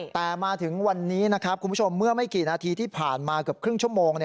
แต่มาถึงวันนี้นะครับคุณผู้ชมเมื่อไม่กี่นาทีที่ผ่านมาเกือบครึ่งชั่วโมง